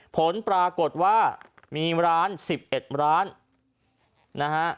ผลปรากฏว่ามีร้าน๑๑ร้านนะฮะ